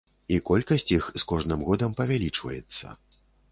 І колькасць іх з кожным годам павялічваецца.